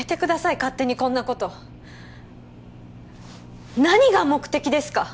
勝手にこんなこと何が目的ですか？